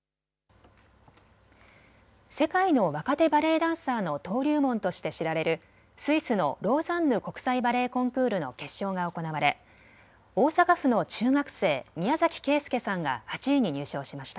世界の若手バレエダンサーの登竜門として知られるスイスのローザンヌ国際バレエコンクールの決勝が行われ大阪府の中学生、宮崎圭介さんが８位に入賞しました。